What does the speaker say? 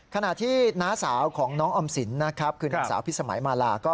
ขณะที่น้าสาวของน้องออมสินนะครับคือนางสาวพิสมัยมาลาก็